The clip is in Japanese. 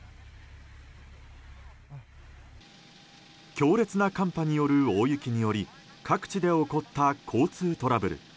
強烈な寒波による大雪により各地で起こった交通トラブル。